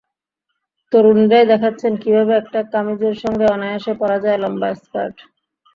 তরুণীরাই দেখাচ্ছেন কীভাবে একটা কামিজের সঙ্গে অনায়াসে পরা যায় লম্বা স্কার্ট।